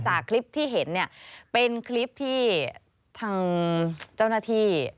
จากคลิปที่เห็นเนี่ยเป็นคลิปที่ทางเจ้าหน้าที่